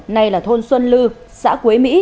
nay là thôn xuân lư xã quế mỹ